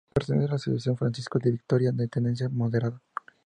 Pertenece a la asociación "Francisco de Vitoria", de tendencia moderada.